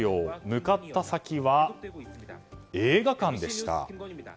向かった先は、映画館でした。